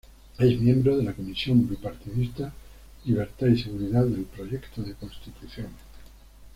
Es miembro de la comisión bipartidista Libertad y Seguridad del Proyecto de Constitución.